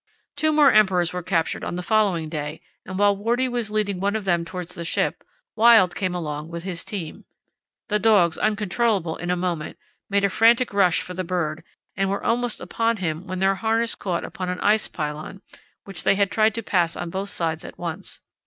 Two more emperors were captured on the following day, and, while Wordie was leading one of them towards the ship, Wild came along with his team. The dogs, uncontrollable in a moment, made a frantic rush for the bird, and were almost upon him when their harness caught upon an ice pylon, which they had tried to pass on both sides at once.